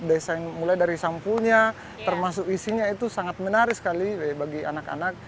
desain mulai dari sampulnya termasuk isinya itu sangat menarik sekali bagi anak anak